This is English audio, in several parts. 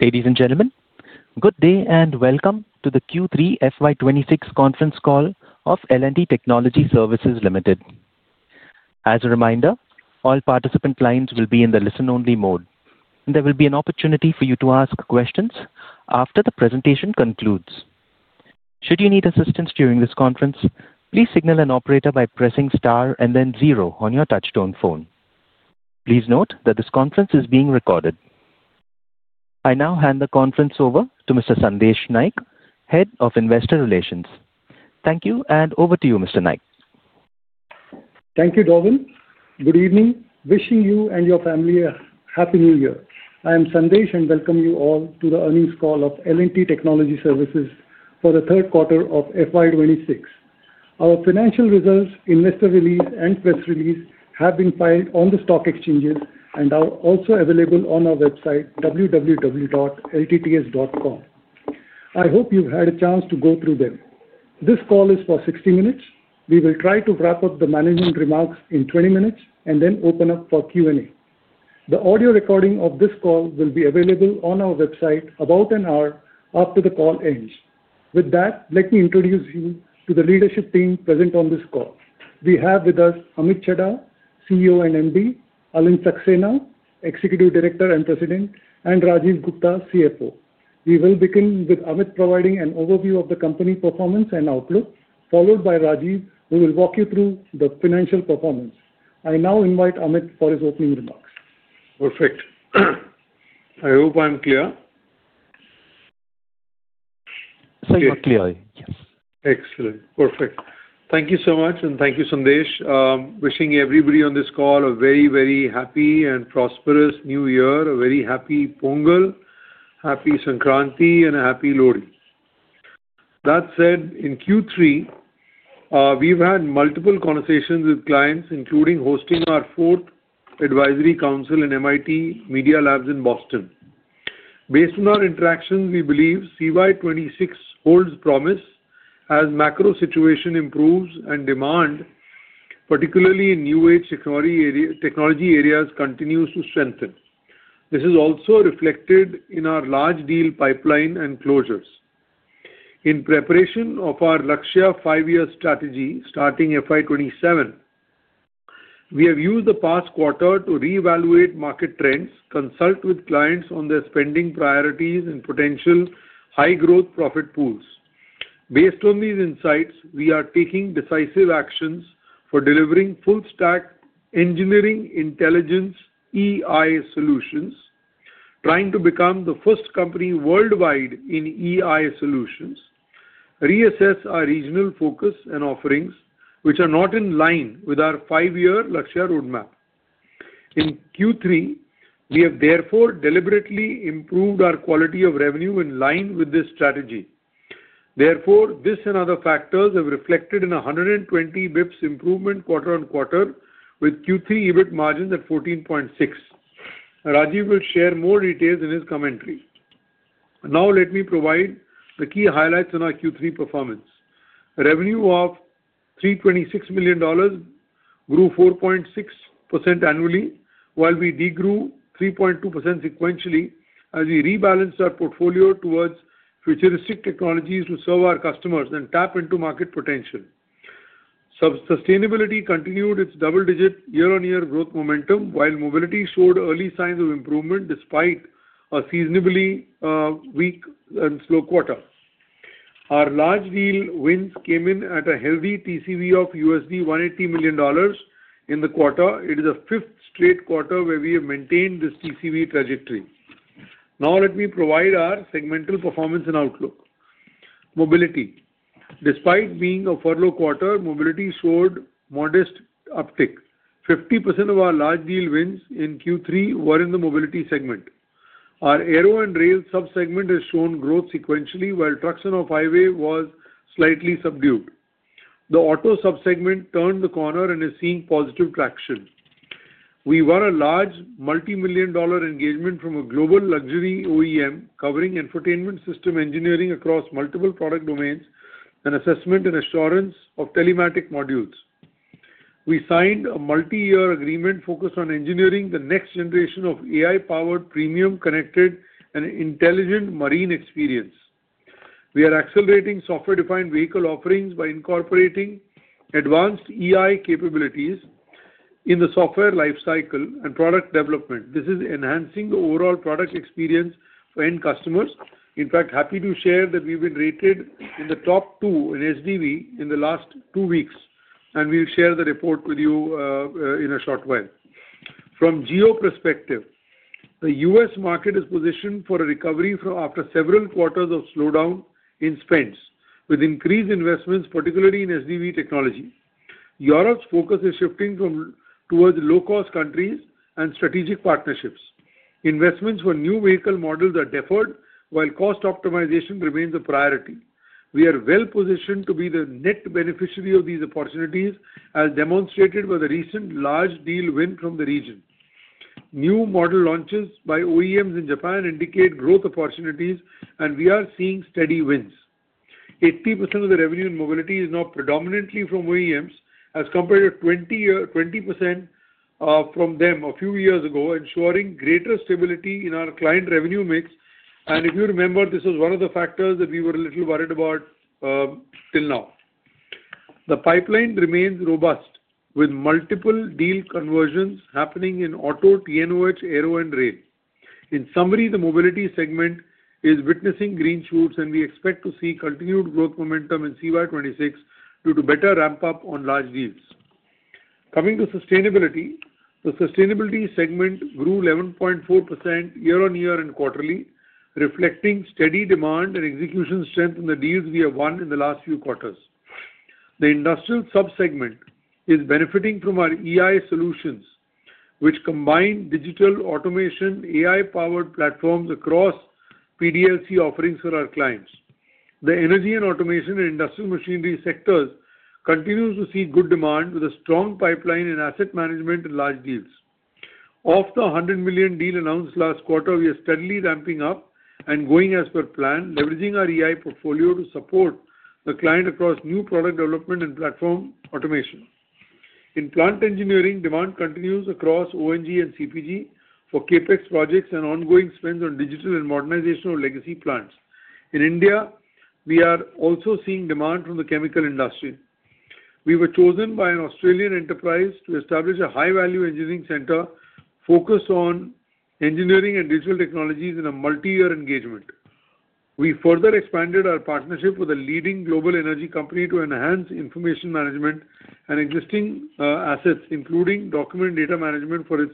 Ladies and gentlemen, good day and welcome to the Q3 FY2026 conference call of L&T Technology Services Limited. As a reminder, all participant lines will be in the listen-only mode. There will be an opportunity for you to ask questions after the presentation concludes. Should you need assistance during this conference, please signal an operator by pressing star and then zero on your touch-tone phone. Please note that this conference is being recorded. I now hand the conference over to Mr. Sandesh Naik, Head of Investor Relations. Thank you, and over to you, Mr. Naik. Thank you, Darwin. Good evening. Wishing you and your family a Happy New Year. I am Sandesh, and welcome you all to the earnings call of L&T Technology Services for the third quarter of FY2026. Our financial results, investor release, and press release have been filed on the stock exchanges and are also available on our website, www.ltts.com. I hope you've had a chance to go through them. This call is for 60 minutes. We will try to wrap up the management remarks in 20 minutes and then open up for Q&A. The audio recording of this call will be available on our website about an hour after the call ends. With that, let me introduce you to the leadership team present on this call. We have with us Amit Chadha, CEO and MD, Alind Saxena, Executive Director and President, and Rajeev Gupta, CFO. We will begin with Amit providing an overview of the company performance and outlook, followed by Rajeev, who will walk you through the financial performance. I now invite Amit for his opening remarks. Perfect. I hope I'm clear. So you're clear, yes. Excellent. Perfect. Thank you so much, and thank you, Sandesh. Wishing everybody on this call a very, very happy and prosperous New Year, a very happy Pongal, happy Sankranti, and a happy Lohri. That said, in Q3, we've had multiple conversations with clients, including hosting our fourth advisory council in MIT Media Lab in Boston. Based on our interactions, we believe CY2026 holds promise as macro situation improves and demand, particularly in new age technology areas, continues to strengthen. This is also reflected in our large deal pipeline and closures. In preparation of our LTTS five-year strategy starting FY2027, we have used the past quarter to reevaluate market trends, consult with clients on their spending priorities, and potential high-growth profit pools. Based on these insights, we are taking decisive actions for delivering full-stack Engineering Intelligence (EI) solutions, trying to become the first company worldwide in EI solutions, reassess our regional focus and offerings, which are not in line with our five-year Lakshya roadmap. In Q3, we have therefore deliberately improved our quality of revenue in line with this strategy. Therefore, this and other factors have reflected in a 120 basis points improvement quarter-on-quarter, with Q3 EBIT margins at 14.6%. Rajeev will share more details in his commentary. Now, let me provide the key highlights on our Q3 performance. Revenue of $326 million grew 4.6% annually, while we degrew 3.2% sequentially as we rebalanced our portfolio towards futuristic technologies to serve our customers and tap into market potential. Sustainability continued its double-digit year-on-year growth momentum, while mobility showed early signs of improvement despite a seasonally weak and slow quarter. Our large deal wins came in at a healthy TCV of $180 million in the quarter. It is the fifth straight quarter where we have maintained this TCV trajectory. Now, let me provide our segmental performance and outlook. Mobility. Despite being a furlough quarter, mobility showed modest uptick. 50% of our large deal wins in Q3 were in the mobility segment. Our aero and rail subsegment has shown growth sequentially, while traction of highway was slightly subdued. The auto subsegment turned the corner and is seeing positive traction. We won a large multimillion-dollar engagement from a global luxury OEM covering infotainment system engineering across multiple product domains and assessment and assurance of telematic modules. We signed a multi-year agreement focused on engineering the next generation of AI-powered premium connected and intelligent marine experience. We are accelerating software-defined vehicle offerings by incorporating advanced EI capabilities in the software lifecycle and product development. This is enhancing the overall product experience for end customers. In fact, happy to share that we've been rated in the top two in SDV in the last two weeks, and we'll share the report with you in a short while. From a geo perspective, the U.S. market is positioned for a recovery after several quarters of slowdown in spends, with increased investments, particularly in SDV technology. Europe's focus is shifting towards low-cost countries and strategic partnerships. Investments for new vehicle models are deferred, while cost optimization remains a priority. We are well positioned to be the net beneficiary of these opportunities, as demonstrated by the recent large deal win from the region. New model launches by OEMs in Japan indicate growth opportunities, and we are seeing steady wins. 80% of the revenue in mobility is now predominantly from OEMs, as compared to 20% from them a few years ago, ensuring greater stability in our client revenue mix. And if you remember, this was one of the factors that we were a little worried about till now. The pipeline remains robust, with multiple deal conversions happening in auto, T&OH, aero, and rail. In summary, the mobility segment is witnessing green shoots, and we expect to see continued growth momentum in CY2026 due to better ramp-up on large deals. Coming to sustainability, the sustainability segment grew 11.4% year-on-year and quarterly, reflecting steady demand and execution strength in the deals we have won in the last few quarters. The industrial subsegment is benefiting from our EI solutions, which combine digital automation, AI-powered platforms across PDLC offerings for our clients. The energy and automation and industrial machinery sectors continue to see good demand, with a strong pipeline and asset management in large deals. Of the $100 million deal announced last quarter, we are steadily ramping up and going as per plan, leveraging our EI portfolio to support the client across new product development and platform automation. In plant engineering, demand continues across O&G and CPG for CapEx projects and ongoing spends on digital and modernization of legacy plants. In India, we are also seeing demand from the chemical industry. We were chosen by an Australian enterprise to establish a high-value engineering center focused on engineering and digital technologies in a multi-year engagement. We further expanded our partnership with a leading global energy company to enhance information management and existing assets, including document data management for its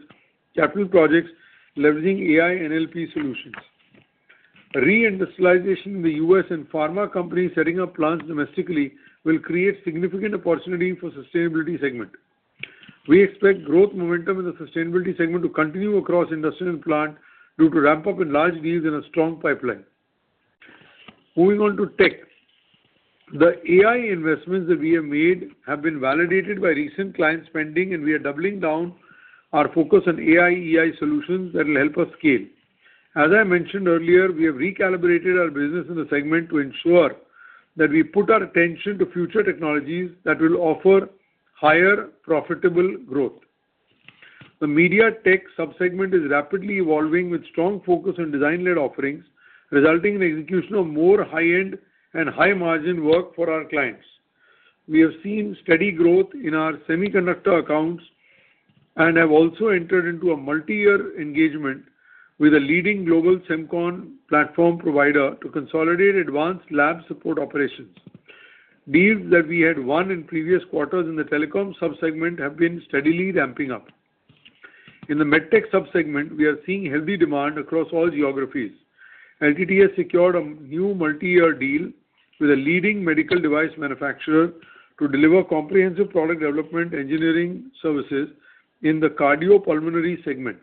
capital projects, leveraging AI NLP solutions. Re-industrialization in the U.S. and pharma companies setting up plants domestically will create significant opportunity for the sustainability segment. We expect growth momentum in the sustainability segment to continue across industrial plant due to ramp-up in large deals and a strong pipeline. Moving on to tech, the AI investments that we have made have been validated by recent client spending, and we are doubling down our focus on AI EI solutions that will help us scale. As I mentioned earlier, we have recalibrated our business in the segment to ensure that we put our attention to future technologies that will offer higher profitable growth. The MedTech subsegment is rapidly evolving with strong focus on design-led offerings, resulting in execution of more high-end and high-margin work for our clients. We have seen steady growth in our semiconductor accounts and have also entered into a multi-year engagement with a leading global Semicon platform provider to consolidate advanced lab support operations. Deals that we had won in previous quarters in the telecom subsegment have been steadily ramping up. In the MedTech subsegment, we are seeing healthy demand across all geographies. LTTS secured a new multi-year deal with a leading medical device manufacturer to deliver comprehensive product development engineering services in the cardiopulmonary segment.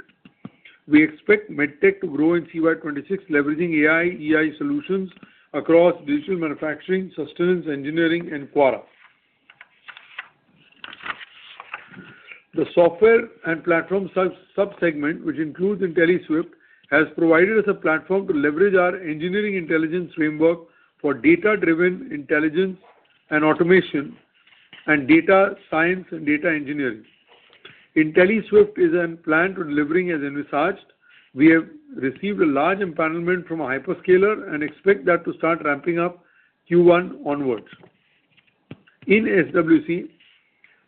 We expect MedTech to grow in CY2026, leveraging AI EI solutions across digital manufacturing, sustenance engineering, and QA. The software and platform subsegment, which includes Intelliswift, has provided us a platform to leverage our engineering intelligence framework for data-driven intelligence and automation and data science and data engineering. Intelliswift is on plan to deliver as envisaged. We have received a large impanelment from a hyperscaler and expect that to start ramping up Q1 onwards. In SWC,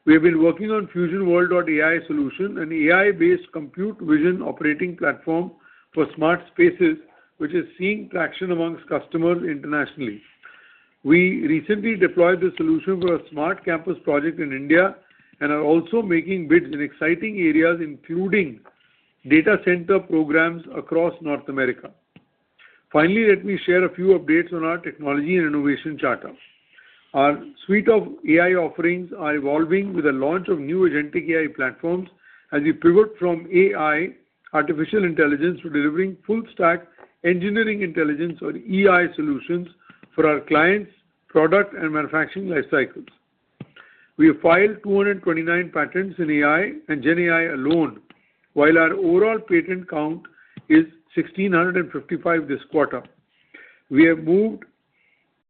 we have been working on FusionWorld AI solution, an AI-based computer vision operating platform for smart spaces, which is seeing traction among customers internationally. We recently deployed the solution for a smart campus project in India and are also making bids in exciting areas, including data center programs across North America. Finally, let me share a few updates on our technology and innovation chart. Our suite of AI offerings are evolving with the launch of new agentic AI platforms as we pivot from AI artificial intelligence to delivering full-stack engineering intelligence or EI solutions for our clients' product and manufacturing lifecycles. We have filed 229 patents in AI and GenAI alone, while our overall patent count is 1,655 this quarter. We have moved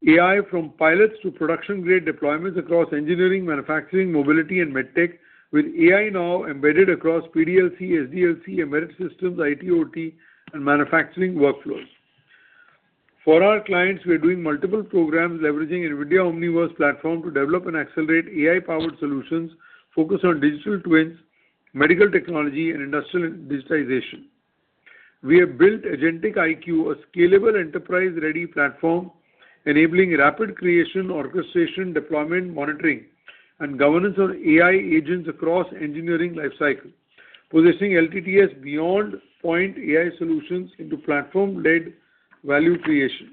AI from pilots to production-grade deployments across engineering, manufacturing, mobility, and MedTech, with AI now embedded across PDLC, SDLC, embedded systems, IT-OT, and manufacturing workflows. For our clients, we are doing multiple programs leveraging NVIDIA Omniverse platform to develop and accelerate AI-powered solutions focused on digital twins, medical technology, and industrial digitization. We have built Agentic IQ, a scalable enterprise-ready platform enabling rapid creation, orchestration, deployment, monitoring, and governance of AI agents across engineering lifecycle, positioning LTTS beyond point AI solutions into platform-led value creation.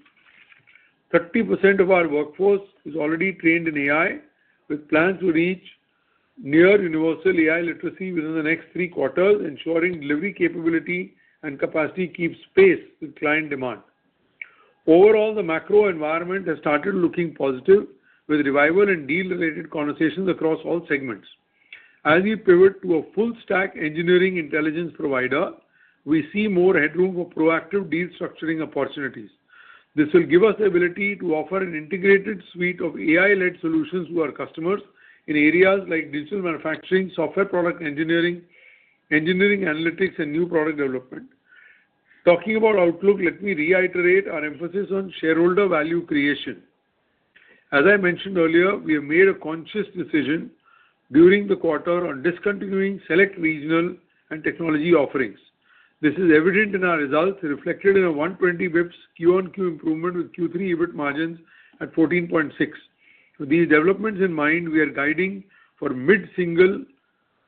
30% of our workforce is already trained in AI, with plans to reach near universal AI literacy within the next three quarters, ensuring delivery capability and capacity keeps pace with client demand. Overall, the macro environment has started looking positive, with revival and deal-related conversations across all segments. As we pivot to a full-stack engineering intelligence provider, we see more headroom for proactive deal structuring opportunities. This will give us the ability to offer an integrated suite of AI-led solutions to our customers in areas like digital manufacturing, software product engineering, engineering analytics, and new product development. Talking about outlook, let me reiterate our emphasis on shareholder value creation. As I mentioned earlier, we have made a conscious decision during the quarter on discontinuing select regional and technology offerings. This is evident in our results, reflected in a 120 basis points QoQ improvement with Q3 EBIT margins at 14.6%. With these developments in mind, we are guiding for mid-single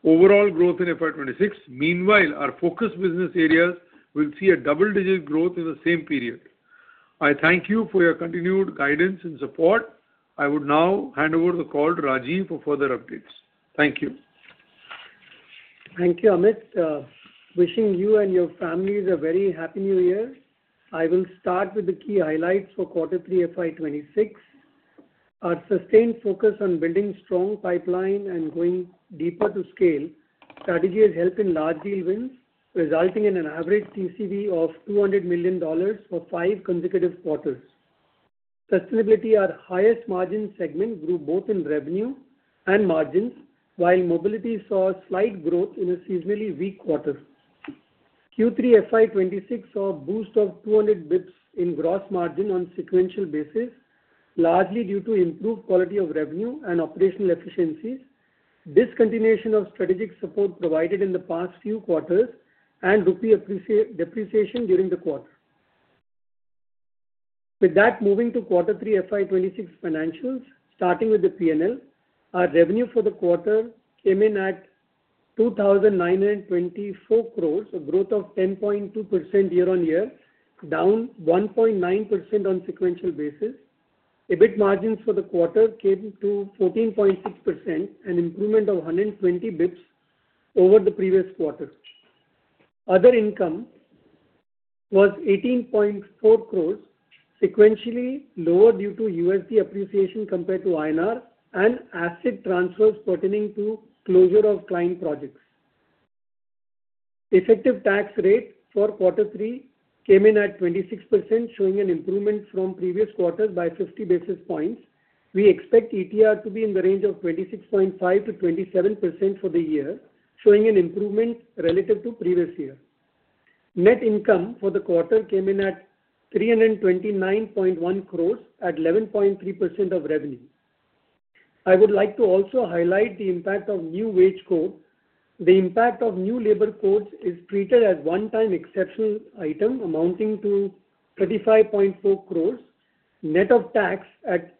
overall growth in FY2026. Meanwhile, our focus business areas will see a double-digit growth in the same period. I thank you for your continued guidance and support. I would now hand over the call to Rajeev for further updates. Thank you. Thank you, Amit. Wishing you and your families a very happy New Year. I will start with the key highlights for quarter three FY2026. Our sustained focus on building strong pipeline and going deeper to scale strategies help in large deal wins, resulting in an average TCV of $200 million for five consecutive quarters. Sustainability, our highest margin segment, grew both in revenue and margins, while mobility saw slight growth in a seasonally weak quarter. Q3 FY2026 saw a boost of 200 basis points in gross margin on a sequential basis, largely due to improved quality of revenue and operational efficiencies, discontinuation of strategic support provided in the past few quarters, and Rupee depreciation during the quarter. With that, moving to quarter three FY2026 financials, starting with the P&L, our revenue for the quarter came in at 2,924 crores, a growth of 10.2% year-on-year, down 1.9% on a sequential basis. EBIT margins for the quarter came to 14.6%, an improvement of 120 basis points over the previous quarter. Other income was 18.4 crores, sequentially lower due to USD appreciation compared to INR and asset transfers pertaining to closure of client projects. Effective tax rate for quarter three came in at 26%, showing an improvement from previous quarters by 50 basis points. We expect ETR to be in the range of 26.5%-27% for the year, showing an improvement relative to previous year. Net income for the quarter came in at 329.1 crores, at 11.3% of revenue. I would like to also highlight the impact of new wage codes. The impact of new labor codes is treated as one-time exceptional item, amounting to 35.4 crores, net of tax at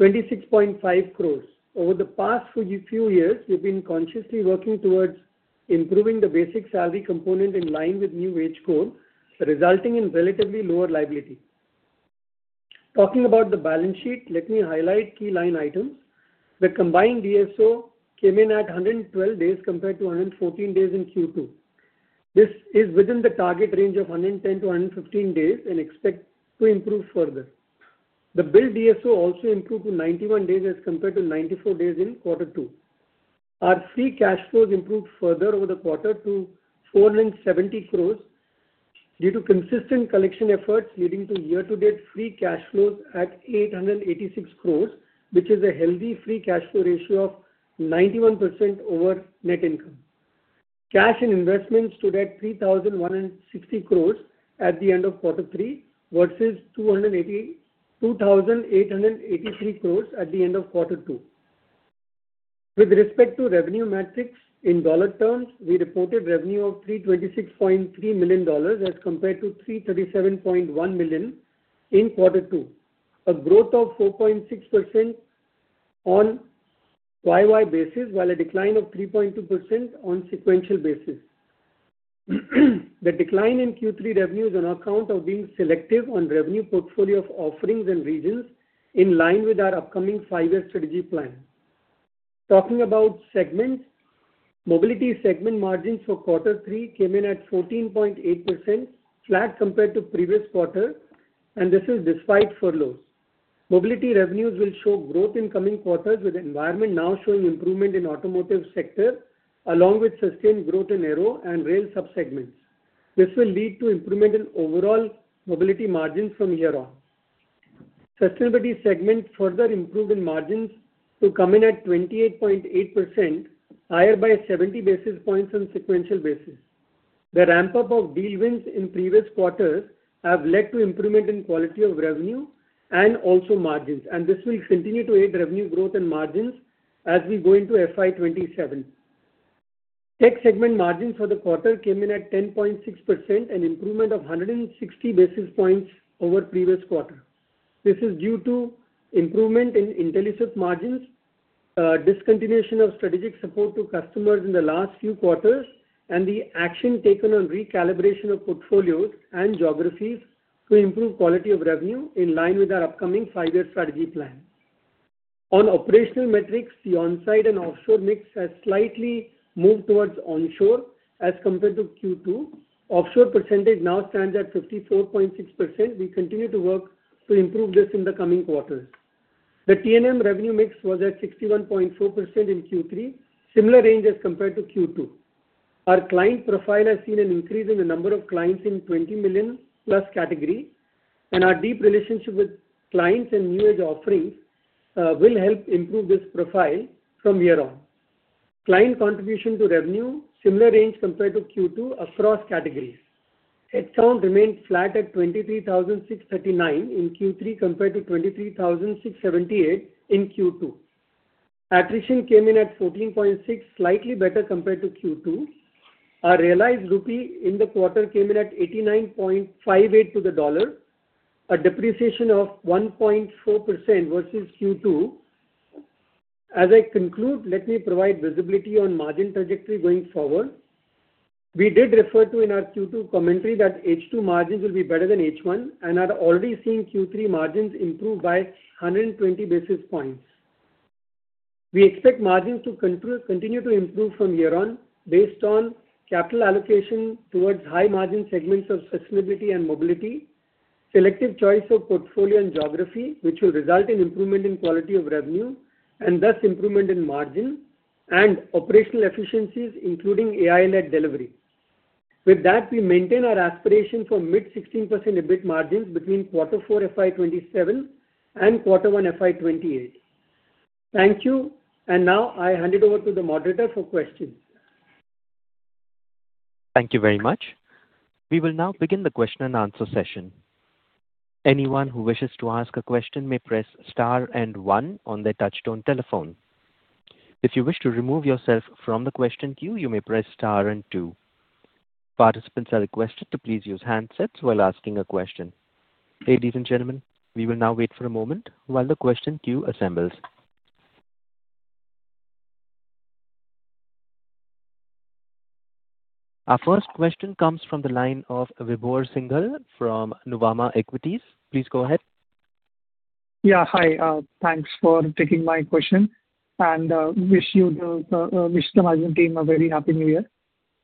26.5 crores. Over the past few years, we've been consciously working towards improving the basic salary component in line with new wage codes, resulting in relatively lower liability. Talking about the balance sheet, let me highlight key line items. The combined DSO came in at 112 days compared to 114 days in Q2. This is within the target range of 110-115 days and expected to improve further. The bill DSO also improved to 91 days as compared to 94 days in quarter two. Our free cash flows improved further over the quarter to 470 crores due to consistent collection efforts, leading to year-to-date free cash flows at 886 crores, which is a healthy free cash flow ratio of 91% over net income. Cash and investments stood at 3,160 crores at the end of quarter three versus 2,883 crores at the end of quarter two. With respect to revenue metrics in dollar terms, we reported revenue of $326.3 million as compared to $337.1 million in quarter two, a growth of 4.6% on YoY basis, while a decline of 3.2% on sequential basis. The decline in Q3 revenues on account of being selective on revenue portfolio of offerings and regions in line with our upcoming five-year strategy plan. Talking about segments, mobility segment margins for quarter three came in at 14.8%, flat compared to previous quarter, and this is despite furloughs. Mobility revenues will show growth in coming quarters, with the environment now showing improvement in the automotive sector, along with sustained growth in rail and rail subsegments. This will lead to improvement in overall mobility margins from here on. Sustainability segment further improved in margins to come in at 28.8%, higher by 70 basis points on sequential basis. The ramp-up of deal wins in previous quarters has led to improvement in quality of revenue and also margins, and this will continue to aid revenue growth and margins as we go into FY2027. Tech segment margins for the quarter came in at 10.6%, an improvement of 160 basis points over previous quarter. This is due to improvement in Intelliswift margins, discontinuation of strategic support to customers in the last few quarters, and the action taken on recalibration of portfolios and geographies to improve quality of revenue in line with our upcoming five-year strategy plan. On operational metrics, the onsite and offshore mix has slightly moved towards onshore as compared to Q2. Offshore percentage now stands at 54.6%. We continue to work to improve this in the coming quarters. The T&M revenue mix was at 61.4% in Q3, similar range as compared to Q2. Our client profile has seen an increase in the number of clients in 20 million+ category, and our deep relationship with clients and new-age offerings will help improve this profile from here on. Client contribution to revenue, similar range compared to Q2 across categories. Headcount remained flat at 23,639 in Q3 compared to 23,678 in Q2. Attrition came in at 14.6%, slightly better compared to Q2. Our realized INR in the quarter came in at 89.58 to the USD, a depreciation of 1.4% versus Q2. As I conclude, let me provide visibility on margin trajectory going forward. We did refer to in our Q2 commentary that H2 margins will be better than H1, and are already seeing Q3 margins improve by 120 basis points. We expect margins to continue to improve from here on based on capital allocation towards high-margin segments of sustainability and mobility, selective choice of portfolio and geography, which will result in improvement in quality of revenue and thus improvement in margin and operational efficiencies, including AI-led delivery. With that, we maintain our aspiration for mid-16% EBIT margins between quarter four FY 2027 and quarter one FY 2028. Thank you, and now I hand it over to the moderator for questions. Thank you very much. We will now begin the question-and-answer session. Anyone who wishes to ask a question may press star and one on their touch-tone telephone. If you wish to remove yourself from the question queue, you may press star and two. Participants are requested to please use handsets while asking a question. Ladies and gentlemen, we will now wait for a moment while the question queue assembles. Our first question comes from the line of Vibhor Singhal from Nuvama Equities. Please go ahead. Yeah, hi. Thanks for taking my question, and wish the management team a very happy New Year.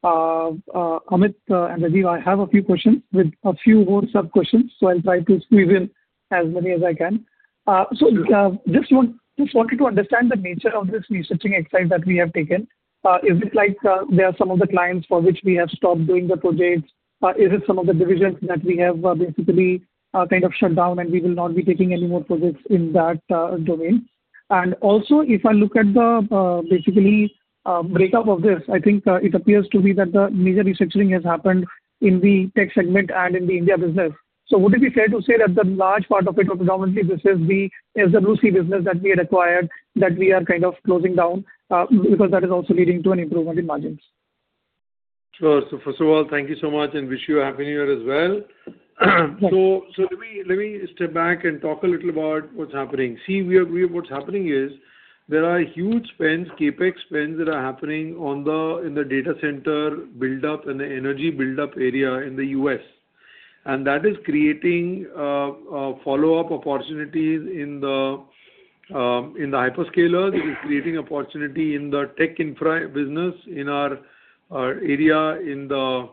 Amit and Rajeev, I have a few questions with a few more sub-questions, so I'll try to squeeze in as many as I can. So just wanted to understand the nature of this restructuring exercise that we have taken. Is it like there are some of the clients for which we have stopped doing the projects? Is it some of the divisions that we have basically kind of shut down, and we will not be taking any more projects in that domain? And also, if I look at the basic breakup of this, I think it appears to me that the major restructuring has happened in the tech segment and in the India business. So would it be fair to say that the large part of it or predominantly this is the SWC business that we had acquired that we are kind of closing down because that is also leading to an improvement in margins? Sure. So first of all, thank you so much and wish you a happy New Year as well. So let me step back and talk a little about what's happening. See, what's happening is there are huge spends, CAPEX spends that are happening in the data center buildup and the energy buildup area in the U.S., and that is creating follow-up opportunities in the hyperscalers. It is creating opportunity in the tech infra business in our area in the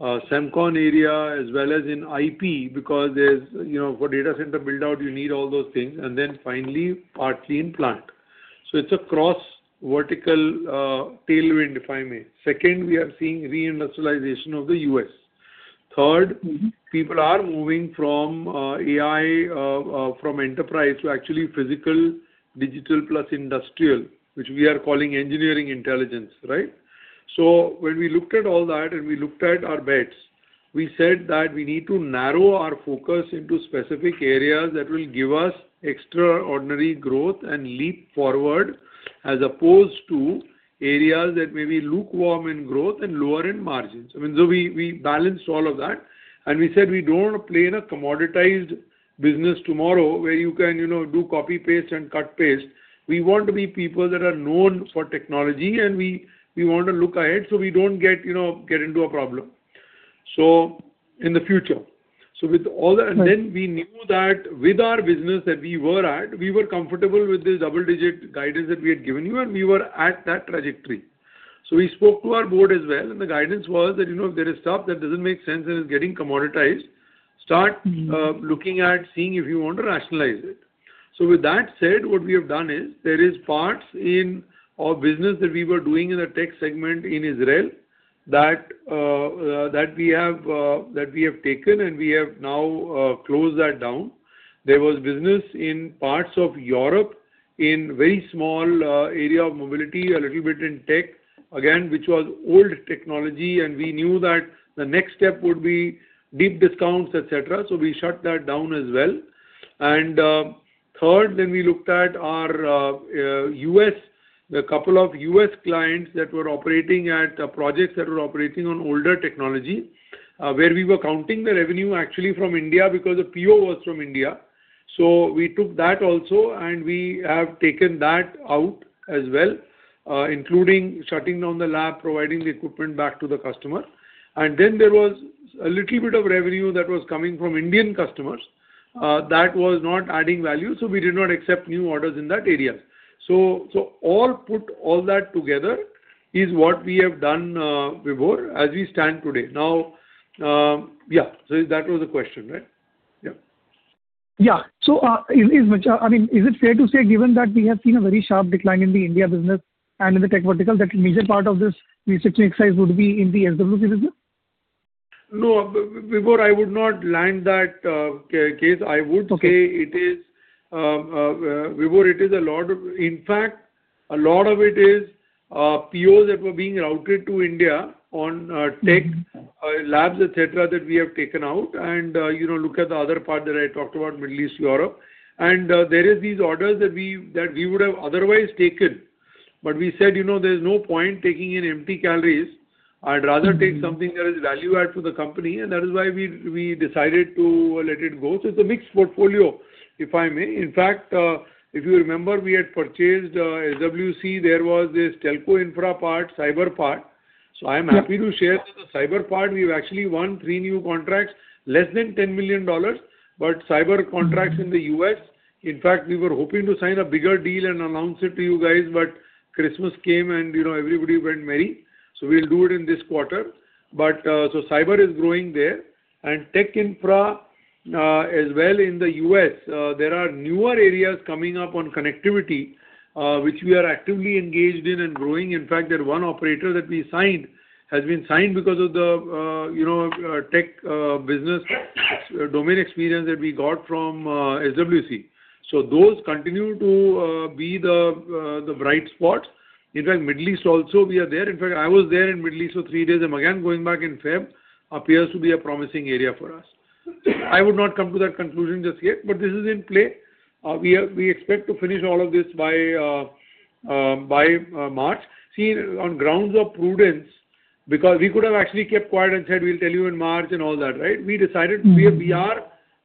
Semicon area as well as in IP because for data center buildup, you need all those things, and then finally partly in plant. So it's a cross-vertical tailwind, if I may. Second, we are seeing reindustrialization of the U.S. Third, people are moving from enterprise to actually physical, digital plus industrial, which we are calling engineering intelligence, right? So when we looked at all that and we looked at our bets, we said that we need to narrow our focus into specific areas that will give us extraordinary growth and leap forward as opposed to areas that may be lukewarm in growth and lower in margins. I mean, so we balanced all of that, and we said we don't want to play in a commoditized business tomorrow where you can do copy-paste and cut-paste. We want to be people that are known for technology, and we want to look ahead so we don't get into a problem in the future. So with all that, and then we knew that with our business that we were at, we were comfortable with the double-digit guidance that we had given you, and we were at that trajectory. So we spoke to our Board as well, and the guidance was that if there is stuff that doesn't make sense and is getting commoditized, start looking at seeing if you want to rationalize it. So with that said, what we have done is there are parts in our business that we were doing in the Tech segment in Israel that we have taken, and we have now closed that down. There was business in parts of Europe in a very small area of mobility, a little bit in tech, again, which was old technology, and we knew that the next step would be deep discounts, etc. So we shut that down as well. And third, then we looked at our U.S., a couple of U.S. clients that were operating at projects that were operating on older technology where we were counting the revenue actually from India because the PO was from India. So we took that also, and we have taken that out as well, including shutting down the lab, providing the equipment back to the customer. And then there was a little bit of revenue that was coming from Indian customers that was not adding value, so we did not accept new orders in that area. So, all put together, is what we have done, Vibhor, as we stand today. Now, yeah, so that was the question, right? Yeah. Yeah. So is it fair to say, given that we have seen a very sharp decline in the India business and in the tech vertical, that a major part of this restructuring exercise would be in the SWC business? No, Vibhor, I would not make that case. I would say it is, Vibhor, it is a lot of in fact, a lot of it is POs that were being routed to India on tech labs, etc., that we have taken out. And look at the other part that I talked about, Middle East, Europe. And there are these orders that we would have otherwise taken, but we said there's no point taking in empty calories. I'd rather take something that is value-add to the company, and that is why we decided to let it go. So it's a mixed portfolio, if I may. In fact, if you remember, we had purchased SWC. There was this telco infra part, cyber part. So I'm happy to share that the cyber part, we've actually won three new contracts, less than $10 million, but cyber contracts in the U.S. In fact, we were hoping to sign a bigger deal and announce it to you guys, but Christmas came and everybody went merry. So we'll do it in this quarter. But so cyber is growing there. And tech infra as well in the U.S., there are newer areas coming up on connectivity, which we are actively engaged in and growing. In fact, there's one operator that we signed has been signed because of the tech business domain experience that we got from SWC. So those continue to be the bright spots. In fact, Middle East also, we are there. In fact, I was there in Middle East for three days, and again, going back in February, appears to be a promising area for us. I would not come to that conclusion just yet, but this is in play. We expect to finish all of this by March. See, on grounds of prudence, because we could have actually kept quiet and said, "We'll tell you in March and all that," right? We decided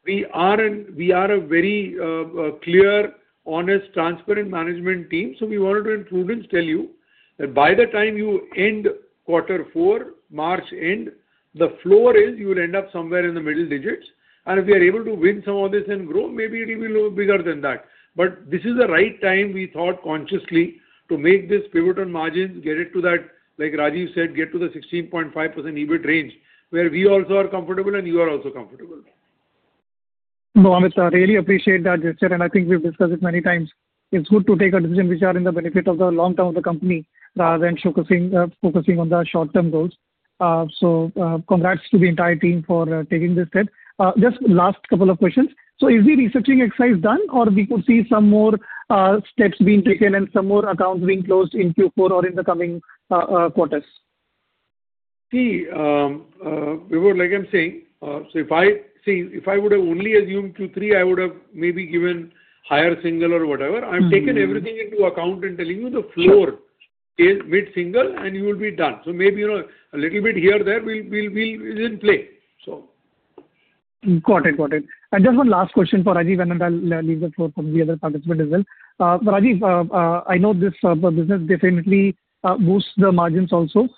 we are a very clear, honest, transparent management team. So we wanted to, in prudence, tell you that by the time you end quarter four, March end, the floor is you will end up somewhere in the middle digits, and if we are able to win some of this and grow, maybe it will be a little bigger than that. But this is the right time, we thought consciously, to make this pivot on margins, get it to that, like Rajeev said, get to the 16.5% EBIT range, where we also are comfortable and you are also comfortable. No, Amit, I really appreciate that gesture, and I think we've discussed it many times. It's good to take a decision which are in the benefit of the long term of the company rather than focusing on the short term goals. So congrats to the entire team for taking this step. Just last couple of questions. So is the restructuring exercise done, or we could see some more steps being taken and some more accounts being closed in Q4 or in the coming quarters? See, Vibhor, like I'm saying, so if I would have only assumed Q3, I would have maybe given higher single or whatever. I've taken everything into account in telling you the floor is mid-single, and you will be done. So maybe a little bit here or there is in play, so. Got it, got it. And just one last question for Rajeev, and then I'll leave the floor for the other participant as well. Rajeev, I know this business definitely boosts the margins also.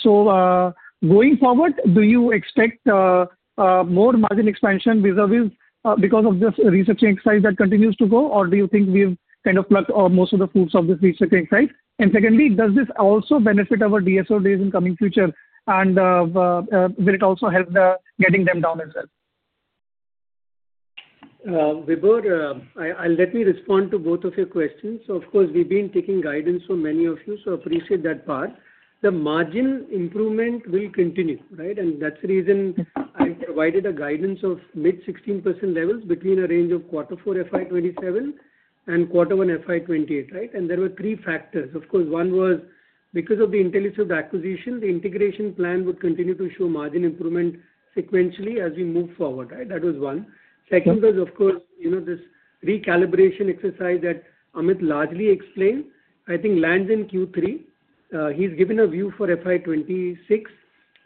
So going forward, do you expect more margin expansion because of this restructuring exercise that continues to go, or do you think we've kind of plucked most of the fruits of this restructuring exercise? And secondly, does this also benefit our DSO days in the coming future, and will it also help getting them down as well? Vibhor, let me respond to both of your questions. So of course, we've been taking guidance from many of you, so I appreciate that part. The margin improvement will continue, right? That's the reason I provided a guidance of mid-16% levels between a range of quarter four FY2027 and quarter one FY2028, right? There were three factors. Of course, one was because of the Intelliswift acquisition, the integration plan would continue to show margin improvement sequentially as we move forward, right? That was one. Second was, of course, this recalibration exercise that Amit largely explained, I think lands in Q3. He's given a view for FY2026,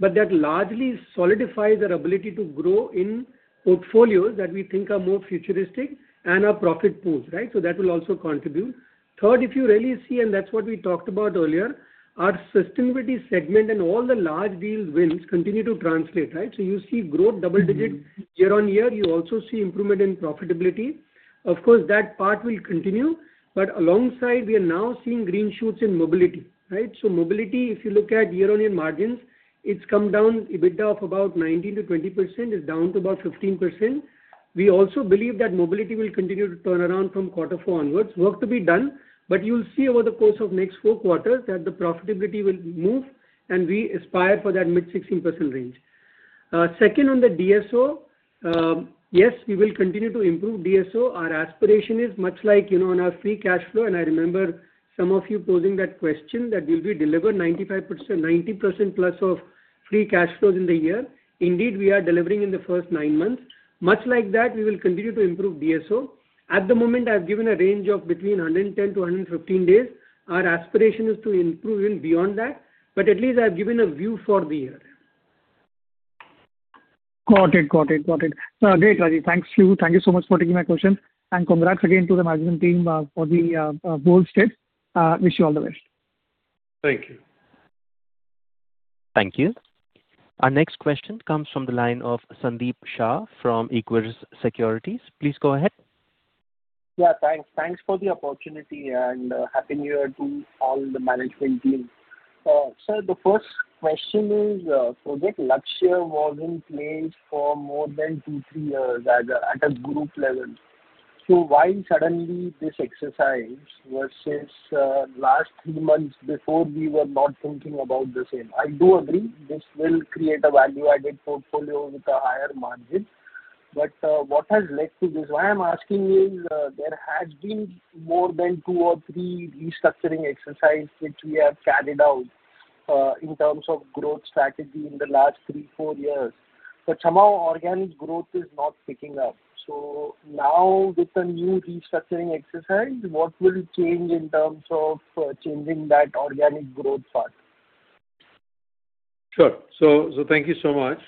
but that largely solidifies our ability to grow in portfolios that we think are more futuristic and are profit-proof, right? So that will also contribute. Third, if you really see, and that's what we talked about earlier, our sustainability segment and all the large deal wins continue to translate, right? So you see growth double-digit year-on-year. You also see improvement in profitability. Of course, that part will continue, but alongside, we are now seeing green shoots in mobility, right? So mobility, if you look at year-on-year margins, it's come down a bit from about 19%-20%, is down to about 15%. We also believe that mobility will continue to turn around from quarter four onwards. Work to be done, but you'll see over the course of next four quarters that the profitability will move, and we aspire for that mid-16% range. Second, on the DSO, yes, we will continue to improve DSO. Our aspiration is much like on our free cash flow, and I remember some of you posing that question that we'll deliver 90%+ of free cash flows in the year. Indeed, we are delivering in the first nine months. Much like that, we will continue to improve DSO. At the moment, I've given a range of between 110-115 days. Our aspiration is to improve even beyond that, but at least I've given a view for the year. Got it, got it, got it. Great, Rajeev. Thank you so much for taking my question, and congrats again to the management team for the bold steps. Wish you all the best. Thank you. Thank you. Our next question comes from the line of Sandeep Shah from Equirus Securities. Please go ahead. Yeah, thanks. Thanks for the opportunity, and happy New Year to all the management team. Sir, the first question is, Project Lakshya was in place for more than two, three years at a group level. So why suddenly this exercise versus last three months before we were not thinking about the same? I do agree this will create a value-added portfolio with a higher margin, but what has led to this? Why I'm asking is, there has been more than two or three restructuring exercises which we have carried out in terms of growth strategy in the last three, four years, but somehow organic growth is not picking up. So now with the new restructuring exercise, what will change in terms of changing that organic growth part? Sure. So thank you so much.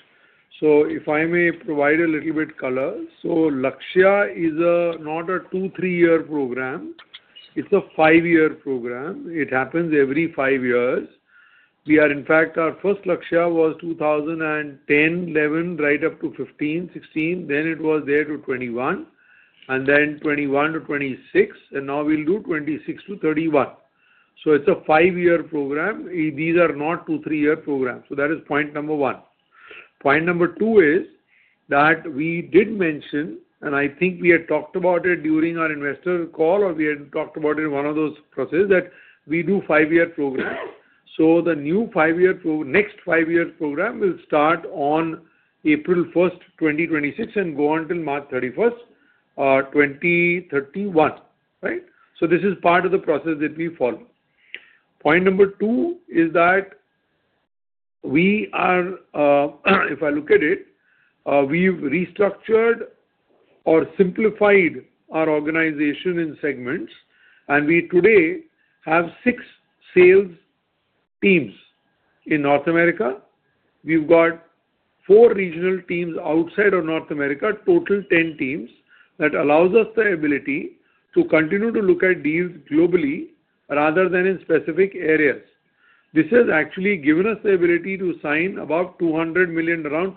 So if I may provide a little bit of color, so Lakshya is not a two, three-year program. It's a five-year program. It happens every five years. In fact, our first Lakshya was 2010, 2011, right up to 2015, 2016. Then it was there to 2021, and then 2021 to 2026, and now we'll do 2026 to 2031. So it's a five-year program. These are not two, three-year programs. So that is point number one. Point number two is that we did mention, and I think we had talked about it during our investor call, or we had talked about it in one of those processes, that we do five-year programs. So the new five-year program, next five-year program, will start on April 1st, 2026, and go until March 31st, 2031, right? So this is part of the process that we follow. Point number two is that we are, if I look at it, we've restructured or simplified our organization in segments, and we today have six sales teams in North America. We've got four regional teams outside of North America, total 10 teams, that allows us the ability to continue to look at deals globally rather than in specific areas. This has actually given us the ability to sign about around $200 million of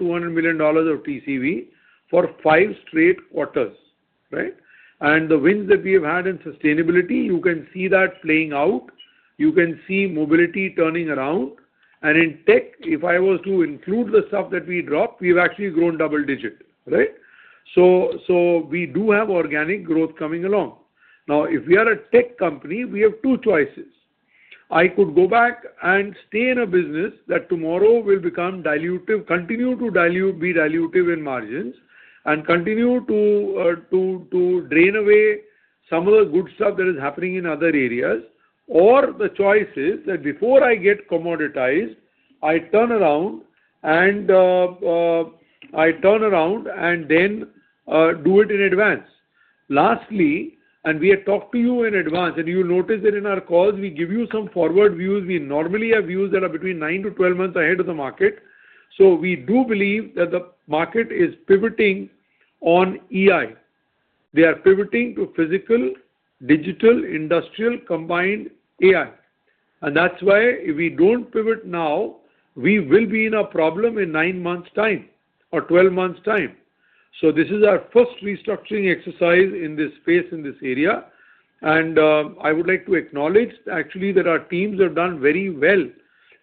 TCV for five straight quarters, right? And the wins that we have had in sustainability, you can see that playing out. You can see mobility turning around. And in tech, if I was to include the stuff that we dropped, we've actually grown double-digit, right? So we do have organic growth coming along. Now, if we are a tech company, we have two choices. I could go back and stay in a business that tomorrow will become dilutive, continue to be dilutive in margins, and continue to drain away some of the good stuff that is happening in other areas. Or the choice is that before I get commoditized, I turn around, and I turn around, and then do it in advance. Lastly, and we had talked to you in advance, and you'll notice that in our calls, we give you some forward views. We normally have views that are between nine to 12 months ahead of the market. So we do believe that the market is pivoting on EI. They are pivoting to physical, digital, industrial combined AI. And that's why if we don't pivot now, we will be in a problem in nine months' time or 12 months' time. So this is our first restructuring exercise in this space, in this area. And I would like to acknowledge, actually, that our teams have done very well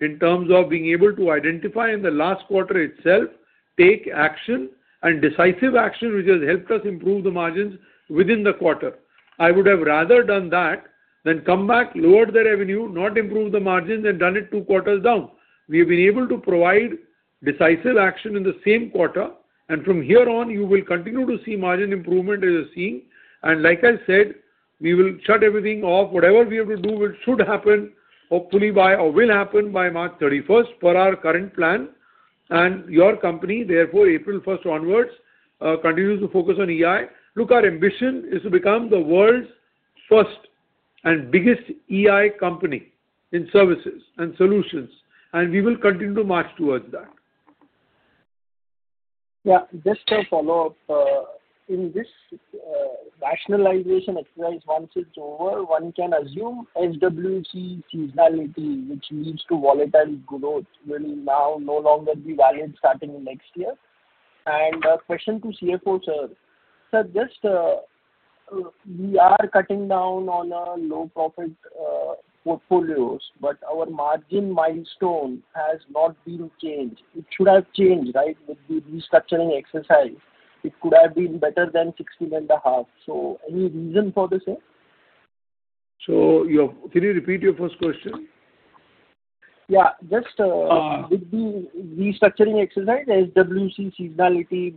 in terms of being able to identify in the last quarter itself, take action, and decisive action, which has helped us improve the margins within the quarter. I would have rather done that than come back, lowered the revenue, not improved the margins, and done it two quarters down. We have been able to provide decisive action in the same quarter, and from here on, you will continue to see margin improvement as you're seeing. And like I said, we will shut everything off. Whatever we have to do should happen, hopefully, or will happen by March 31st per our current plan. And your company, therefore, April 1st onwards, continues to focus on EI. Look, our ambition is to become the world's first and biggest EI company in services and solutions, and we will continue to march towards that. Yeah. Just a follow-up. In this rationalization exercise, once it's over, one can assume SWC seasonality, which leads to volatile growth, will now no longer be valid starting next year. And question to CFO, sir. Sir, just we are cutting down on our low-profit portfolios, but our margin milestone has not been changed. It should have changed, right, with the restructuring exercise. It could have been better than 16 and a half. So any reason for the same? So can you repeat your first question? Yeah. Just with the restructuring exercise, SWC seasonality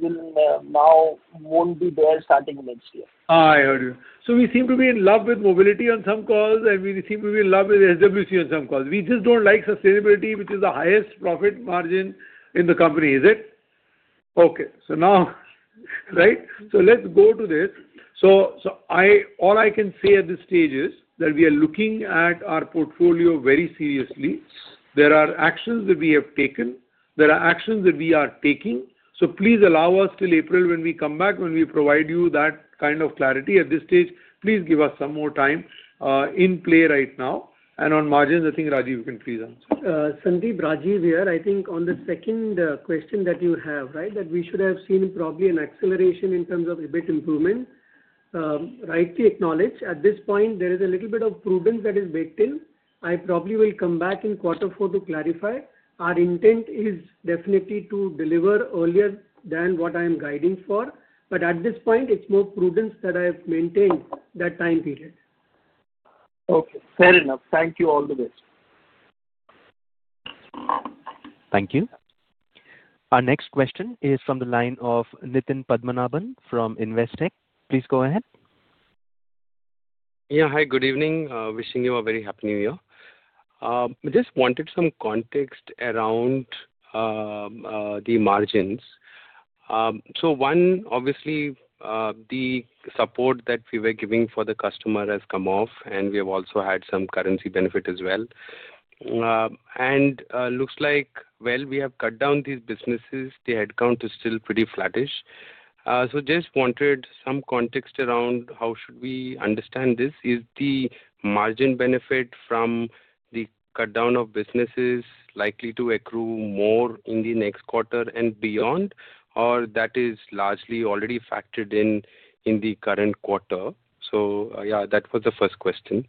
now won't be there starting next year. I heard you. So we seem to be in love with mobility on some calls, and we seem to be in love with SWC on some calls. We just don't like sustainability, which is the highest profit margin in the company. Is it? Okay. So now, right? So let's go to this. So all I can say at this stage is that we are looking at our portfolio very seriously. There are actions that we have taken. There are actions that we are taking. So please allow us till April when we come back, when we provide you that kind of clarity. At this stage, please give us some more time in play right now. And on margins, I think Rajeev can please answer. Sandeep, Rajeev here. I think on the second question that you have, right, that we should have seen probably an acceleration in terms of EBIT improvement, rightly acknowledged. At this point, there is a little bit of prudence that is baked in. I probably will come back in quarter four to clarify. Our intent is definitely to deliver earlier than what I am guiding for, but at this point, it's more prudence that I have maintained that time period. Okay. Fair enough. Thank you. All the best. Thank you. Our next question is from the line of Nitin Padmanabhan from Investec. Please go ahead. Yeah. Hi. Good evening. Wishing you a very happy New Year. Just wanted some context around the margins. So one, obviously, the support that we were giving for the customer has come off, and we have also had some currency benefit as well, and looks like, well, we have cut down these businesses. The headcount is still pretty flattish, so just wanted some context around how should we understand this. Is the margin benefit from the cut down of businesses likely to accrue more in the next quarter and beyond, or that is largely already factored in in the current quarter? So yeah, that was the first question.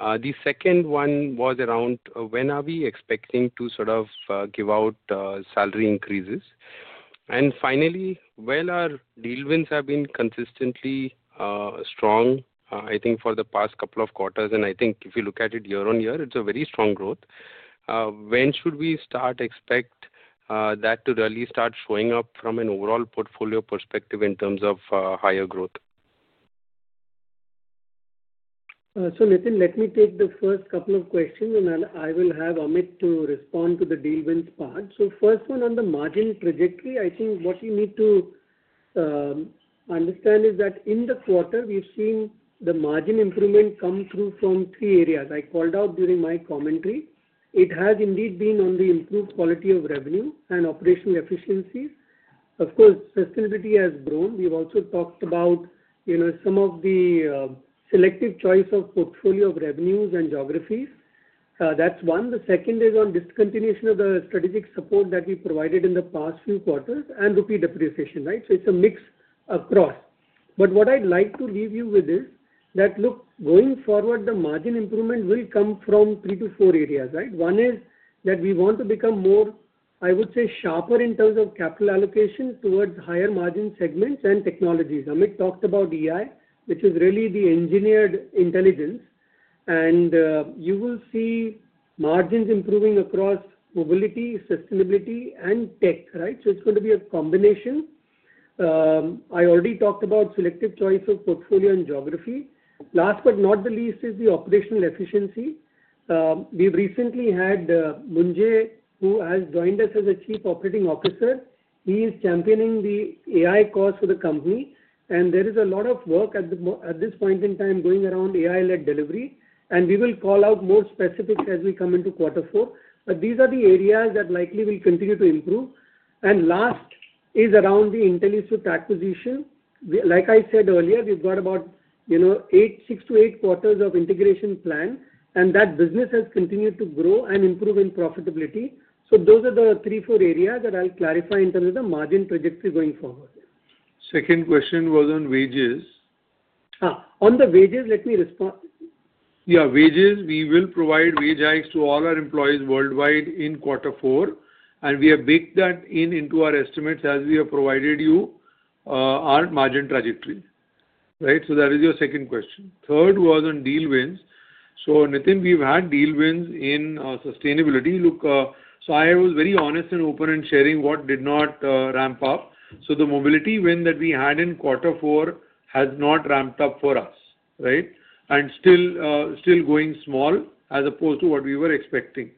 The second one was around when are we expecting to sort of give out salary increases? And finally, while our deal wins have been consistently strong, I think for the past couple of quarters, and I think if you look at it year-on-year, it's a very strong growth, when should we start expect that to really start showing up from an overall portfolio perspective in terms of higher growth? So Nitin, let me take the first couple of questions, and I will have Amit to respond to the deal wins part. So first one, on the margin trajectory, I think what you need to understand is that in the quarter, we've seen the margin improvement come through from three areas. I called out during my commentary. It has indeed been on the improved quality of revenue and operational efficiencies. Of course, sustainability has grown. We've also talked about some of the selective choice of portfolio of revenues and geographies. That's one. The second is on discontinuation of the strategic support that we provided in the past few quarters and repeat depreciation, right? So it's a mix across. But what I'd like to leave you with is that, look, going forward, the margin improvement will come from three to four areas, right? One is that we want to become more, I would say, sharper in terms of capital allocation towards higher margin segments and technologies. Amit talked about EI, which is really the Engineering Intelligence, and you will see margins improving across mobility, sustainability, and tech, right? So it's going to be a combination. I already talked about selective choice of portfolio and geography. Last but not the least is the operational efficiency. We've recently had Mritunjay, who has joined us as a Chief Operating Officer. He is championing the AI cause for the company, and there is a lot of work at this point in time going around AI-led delivery, and we will call out more specifics as we come into quarter four. But these are the areas that likely will continue to improve. And last is around the Intelliswift acquisition. Like I said earlier, we've got about six to eight quarters of integration plan, and that business has continued to grow and improve in profitability. So those are the three, four areas that I'll clarify in terms of the margin trajectory going forward. Second question was on wages. On the wages, let me respond. Yeah. Wages, we will provide wage hikes to all our employees worldwide in quarter four, and we have baked that into our estimates as we have provided you our margin trajectory, right? So that is your second question. Third was on deal wins. So Nitin, we've had deal wins in sustainability. Look, so I was very honest and open in sharing what did not ramp up. So the mobility win that we had in quarter four has not ramped up for us, right? And still going small as opposed to what we were expecting.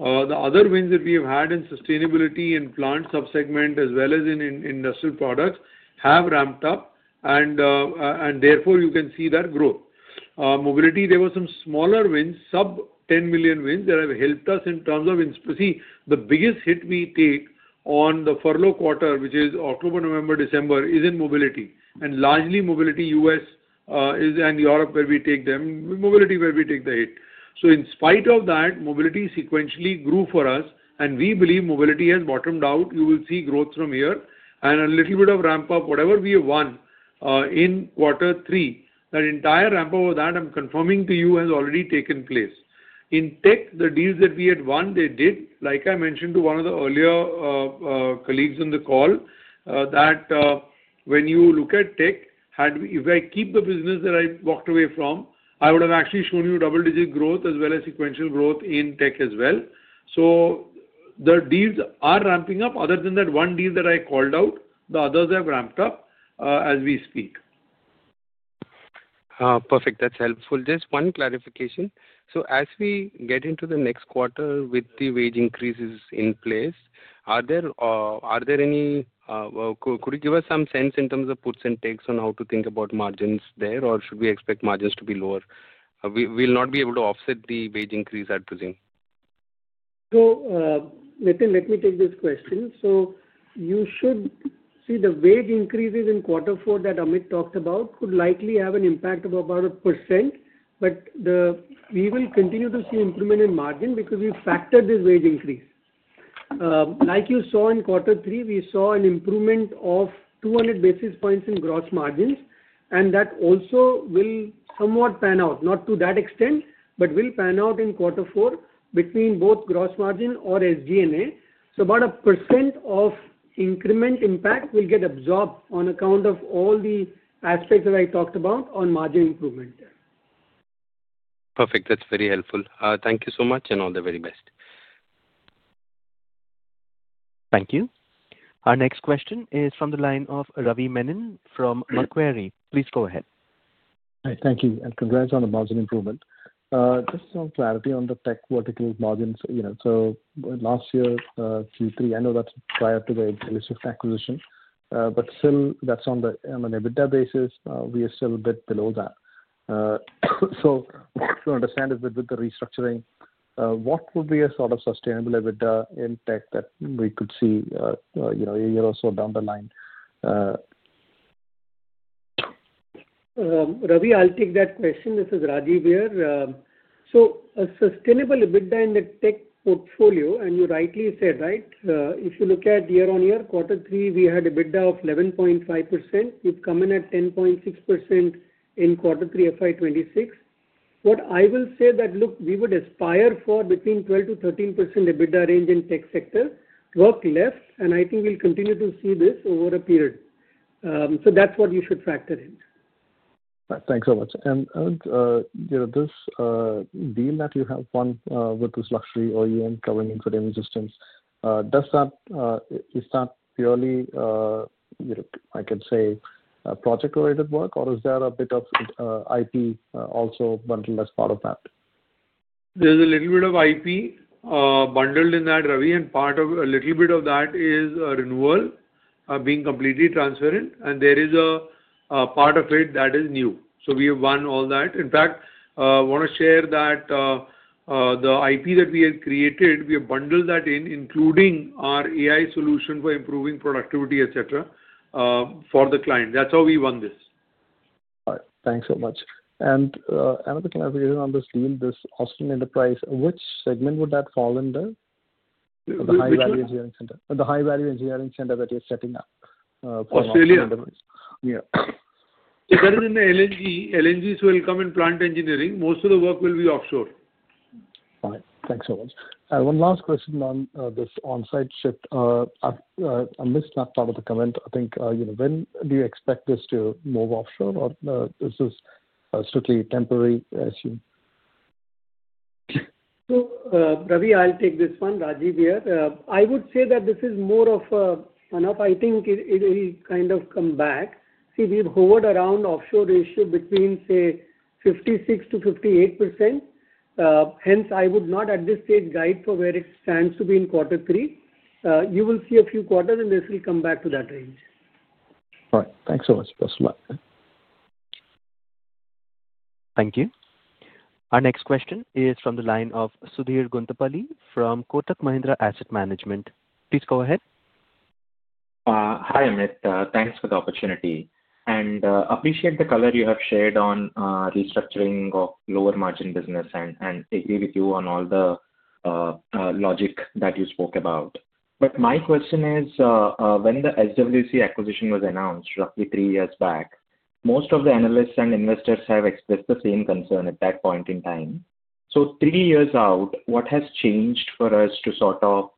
The other wins that we have had in sustainability in plant subsegment as well as in industrial products have ramped up, and therefore you can see that growth. Mobility, there were some smaller wins, sub-10 million wins that have helped us in terms of see, the biggest hit we take on the furlough quarter, which is October, November, December, is in mobility. And largely mobility, U.S. and Europe where we take them, mobility where we take the hit. So in spite of that, mobility sequentially grew for us, and we believe mobility has bottomed out. You will see growth from here and a little bit of ramp-up, whatever we have won in quarter three. That entire ramp-up of that, I'm confirming to you, has already taken place. In tech, the deals that we had won, they did, like I mentioned to one of the earlier colleagues on the call, that when you look at tech, if I keep the business that I walked away from, I would have actually shown you double-digit growth as well as sequential growth in tech as well. So the deals are ramping up. Other than that one deal that I called out, the others have ramped up as we speak. Perfect. That's helpful. Just one clarification. So as we get into the next quarter with the wage increases in place, are there any? Could you give us some sense in terms of puts and takes on how to think about margins there, or should we expect margins to be lower? We will not be able to offset the wage increase, I presume. So Nitin, let me take this question. So you should see the wage increases in quarter four that Amit talked about could likely have an impact of about 1%, but we will continue to see improvement in margin because we've factored this wage increase. Like you saw in quarter three, we saw an improvement of 200 basis points in gross margins, and that also will somewhat pan out, not to that extent, but will pan out in quarter four between both gross margin or SG&A. So about 1% of increment impact will get absorbed on account of all the aspects that I talked about on margin improvement. Perfect. That's very helpful. Thank you so much and all the very best. Thank you. Our next question is from the line of Ravi Menon from Macquarie. Please go ahead. Hi. Thank you. And congrats on the margin improvement. Just some clarity on the tech vertical margins. So last year, Q3, I know that's prior to the initial acquisition, but still that's on an EBITDA basis. We are still a bit below that. So what to understand is that with the restructuring, what would be a sort of sustainable EBITDA in tech that we could see a year or so down the line? Ravi, I'll take that question. This is Rajeev here. So a sustainable EBITDA in the tech portfolio, and you rightly said, right? If you look at year-on-year, quarter three, we had EBITDA of 11.5%. We've come in at 10.6% in quarter three, FY 2026. What I will say that, look, we would aspire for between 12%-13% EBITDA range in tech sector. Work left, and I think we'll continue to see this over a period. So that's what you should factor in. Thanks so much. This deal that you have won with this luxury OEM covering infotainment systems, does that, is that purely, I can say, project-related work, or is there a bit of IP also bundled as part of that? There's a little bit of IP bundled in that, Ravi, and part of a little bit of that is renewal being completely transferred, and there is a part of it that is new. So we have won all that. In fact, I want to share that the IP that we have created, we have bundled that in, including our AI solution for improving productivity, etc., for the client. That's how we won this. All right. Thanks so much. Another clarification on this deal, this Australian enterprise, which segment would that fall under? The high-value engineering center. The high-value engineering center that you're setting up for the customers. Australia. Yeah. It's in the LNG. LNGs will come in plant engineering. Most of the work will be offshore. All right. Thanks so much. One last question on this on-site shift. I missed that part of the comment. I think, when do you expect this to move offshore, or is this strictly temporary? So Ravi, I'll take this one, Rajeev here. I would say that this is more of enough. I think it will kind of come back. See, we've hovered around offshore ratio between, say, 56%-58%. Hence, I would not at this stage guide for where it stands to be in quarter three. You will see a few quarters, and this will come back to that range. All right. Thanks so much. Thank you. Our next question is from the line of Sudheer Guntupalli from Kotak Mahindra Asset Management. Please go ahead. Hi, Amit. Thanks for the opportunity. And appreciate the color you have shared on restructuring of lower margin business and agree with you on all the logic that you spoke about. But my question is, when the SWC acquisition was announced roughly three years back, most of the analysts and investors have expressed the same concern at that point in time. So three years out, what has changed for us to sort of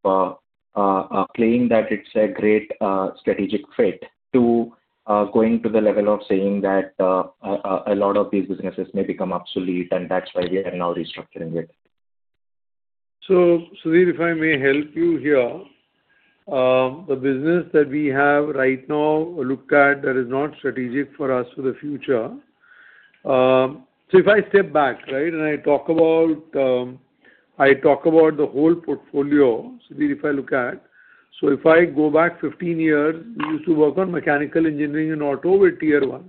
claim that it's a great strategic fit to going to the level of saying that a lot of these businesses may become obsolete, and that's why we are now restructuring it? So Sudheer, if I may help you here, the business that we have right now looked at that is not strategic for us for the future. So if I step back, right, and I talk about the whole portfolio, Sudheer, if I look at, so if I go back 15 years, we used to work on mechanical engineering and auto with Tier 1s,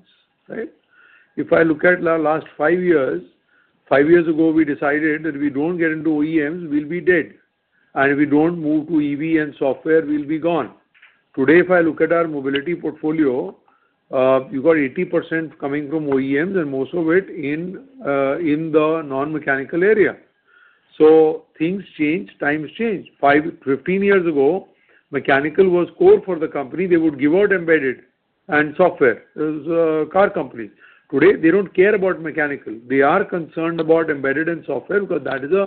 right? If I look at the last five years, five years ago, we decided that if we don't get into OEMs, we'll be dead. And if we don't move to EV and software, we'll be gone. Today, if I look at our mobility portfolio, you got 80% coming from OEMs and most of it in the non-mechanical area. So things change. Times change. 15 years ago, mechanical was core for the company. They would give out embedded and software. It was car companies. Today, they don't care about mechanical. They are concerned about embedded and software because that is a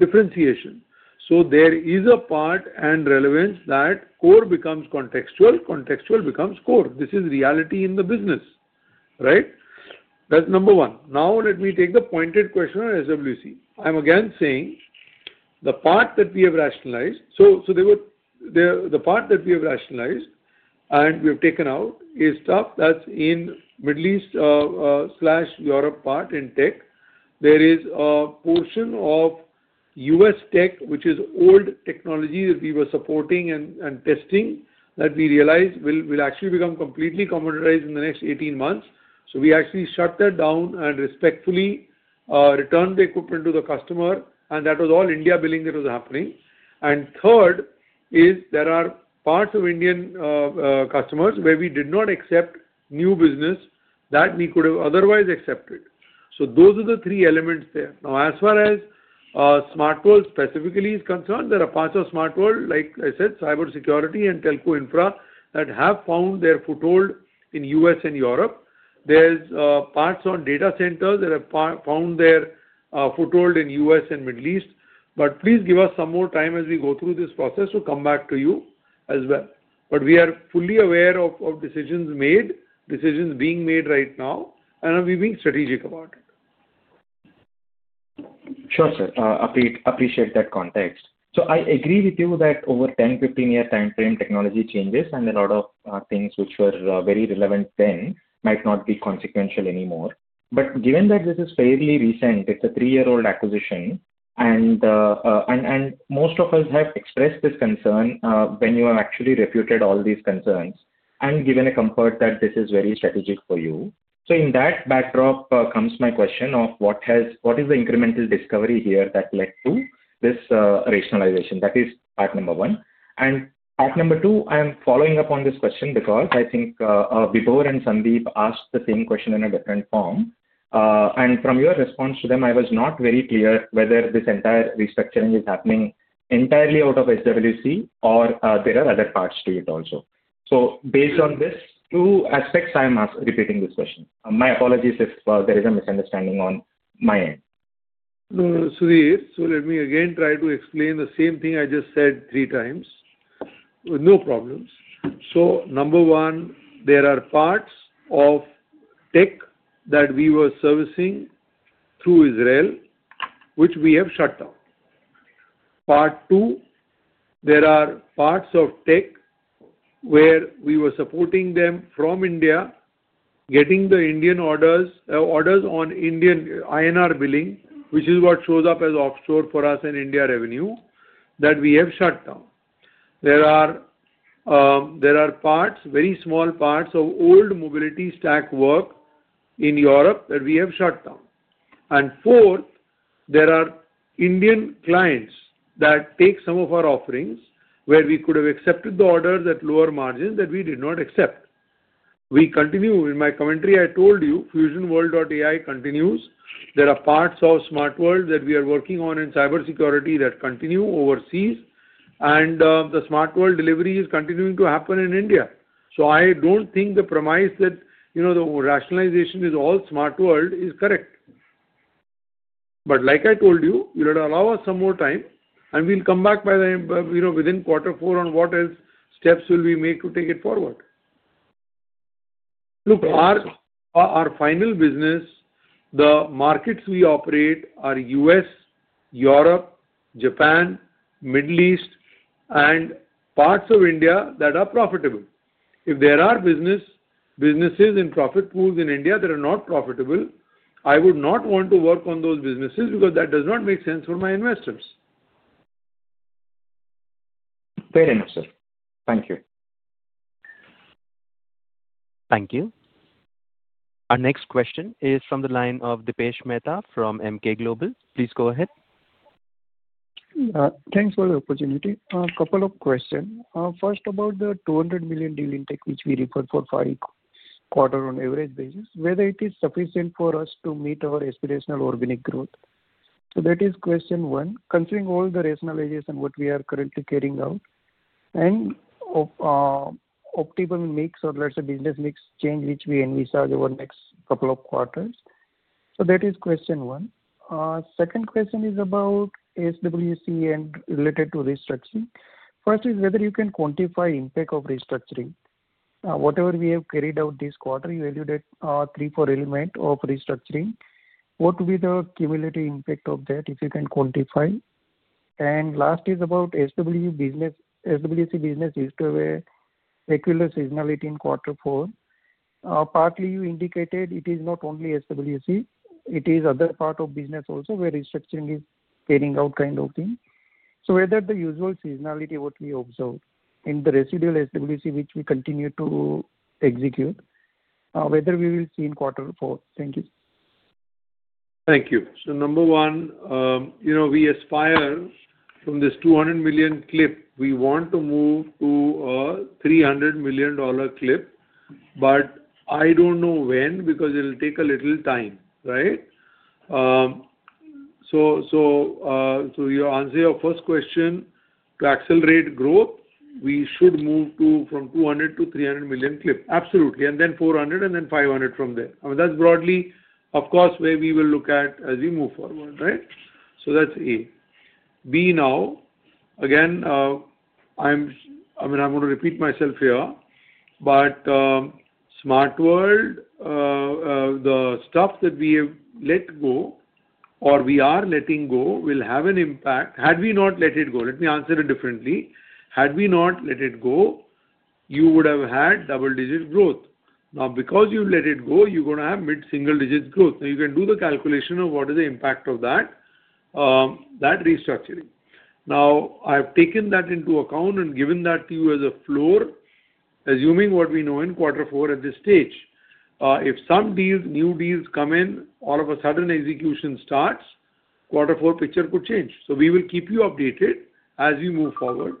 differentiation. So there is a part and relevance that core becomes contextual. Contextual becomes core. This is reality in the business, right? That's number one. Now, let me take the pointed question on SWC. I'm again saying the part that we have rationalized, so the part that we have rationalized and we have taken out is stuff that's in Middle East/Europe part in tech. There is a portion of U.S. tech which is old technology that we were supporting and testing that we realized will actually become completely commoditized in the next 18 months. So we actually shut that down and respectfully returned the equipment to the customer, and that was all India billing that was happening. And third is there are parts of Indian customers where we did not accept new business that we could have otherwise accepted. So those are the three elements there. Now, as far as Smart World specifically is concerned, there are parts of Smart World, like I said, cybersecurity and telco infra that have found their foothold in U.S. and Europe. There's parts on data centers that have found their foothold in U.S. and Middle East. But please give us some more time as we go through this process to come back to you as well. But we are fully aware of decisions made, decisions being made right now, and we're being strategic about it. Sure, sir. Appreciate that context. So I agree with you that over 10, 15-year time frame, technology changes and a lot of things which were very relevant then might not be consequential anymore. But given that this is fairly recent, it's a three-year-old acquisition, and most of us have expressed this concern when you have actually refuted all these concerns and given a comfort that this is very strategic for you. So in that backdrop comes my question of what is the incremental discovery here that led to this rationalization? That is part number one. And part number two, I'm following up on this question because I think Vibhor and Sandeep asked the same question in a different form. From your response to them, I was not very clear whether this entire restructuring is happening entirely out of SWC or there are other parts to it also. Based on these two aspects, I'm repeating this question. My apologies if there is a misunderstanding on my end. Sudheer, let me again try to explain the same thing I just said three times with no problems. Number one, there are parts of tech that we were servicing through Israel which we have shut down. Part two, there are parts of tech where we were supporting them from India, getting the Indian orders on Indian INR billing, which is what shows up as offshore for us in India revenue that we have shut down. There are very small parts of old mobility stack work in Europe that we have shut down. And fourth, there are Indian clients that take some of our offerings where we could have accepted the orders at lower margins that we did not accept. We continue. In my commentary, I told you, FusionWorld.ai continues. There are parts of Smart World that we are working on in cybersecurity that continue overseas, and the Smart World delivery is continuing to happen in India. So I don't think the premise that the rationalization is all Smart World is correct. But like I told you, you'll allow us some more time, and we'll come back within quarter four on what steps will we make to take it forward. Look, our final business, the markets we operate are U.S., Europe, Japan, Middle East, and parts of India that are profitable. If there are businesses in profit pools in India that are not profitable, I would not want to work on those businesses because that does not make sense for my investors. Very nice, sir. Thank you. Thank you. Our next question is from the line of Dipesh Mehta from Emkay Global. Please go ahead. Thanks for the opportunity. A couple of questions. First, about the $200 million deal in tech which we refer to per quarter on average basis, whether it is sufficient for us to meet our aspirational organic growth. So that is question one. Considering all the rationalizations and what we are currently carrying out and optimal mix or let's say business mix change which we envisage over the next couple of quarters. So that is question one. Second question is about SWC and related to restructuring. First is whether you can quantify impact of restructuring. Whatever we have carried out this quarter, you alluded to three, four elements of restructuring. What would be the cumulative impact of that if you can quantify? And last is about SWC business used to have a regular seasonality in quarter four. Partly, you indicated it is not only SWC. It is other part of business also where restructuring is carrying out kind of thing. So whether the usual seasonality what we observed in the residual SWC which we continue to execute, whether we will see in quarter four. Thank you. Thank you. So number one, we aspire from this 200 million clip. We want to move to a $300 million clip, but I don't know when because it'll take a little time, right? So your answer to your first question, to accelerate growth, we should move from 200 million to 300 million clip. Absolutely. And then 400 and then 500 from there. I mean, that's broadly, of course, where we will look at as we move forward, right? So that's A. B now, again, I mean, I'm going to repeat myself here, but Smart World, the stuff that we have let go or we are letting go will have an impact. Had we not let it go, let me answer it differently, had we not let it go, you would have had double-digit growth. Now, because you let it go, you're going to have mid-single-digit growth. Now, you can do the calculation of what is the impact of that restructuring. Now, I've taken that into account and given that to you as a floor, assuming what we know in quarter four at this stage. If some new deals come in, all of a sudden execution starts, quarter four picture could change. So we will keep you updated as we move forward.